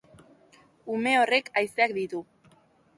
Ume horrek haizeak ditu.